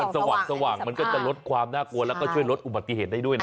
สว่างมันก็จะลดความน่ากลัวแล้วก็ช่วยลดอุบัติเหตุได้ด้วยนะ